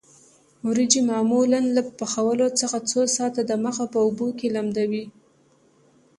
وریجې معمولاً له پخولو څخه څو ساعته د مخه په اوبو کې لمدوي.